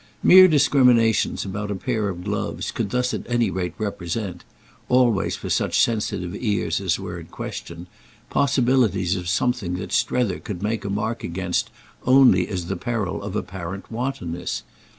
Mere discriminations about a pair of gloves could thus at any rate represent—always for such sensitive ears as were in question—possibilities of something that Strether could make a mark against only as the peril of apparent wantonness.